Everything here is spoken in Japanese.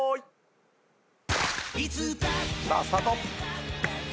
さあスタート！